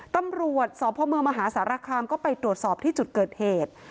ตำรวจสพเมืองมหาสารคามก็ไปตรวจสอบที่จุดเกิดเหตุ